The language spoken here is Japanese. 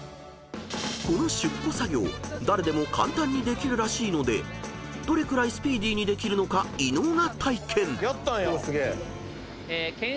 ［この出庫作業誰でも簡単にできるらしいのでどれくらいスピーディーにできるのか伊野尾が体験］